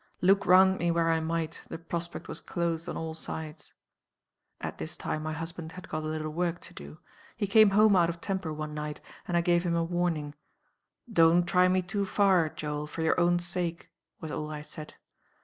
Look round me where I might, the prospect was closed on all sides. "At this time my husband had got a little work to do. He came home out of temper one night, and I gave him a warning. 'Don't try me too far, Joel, for your own sake,' was all I said.